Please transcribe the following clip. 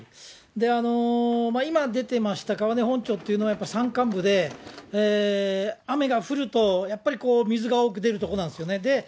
今出てました、川根本町というのは、やっぱ山間部で、雨が降るとやっぱりこう、水が多く出る所なんですよね。